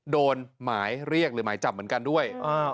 โดนหมายเรียกหรือหมายจับเหมือนกันด้วย